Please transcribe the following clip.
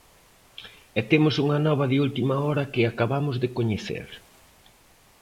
E temos unha nova de última hora que acabamos de coñecer.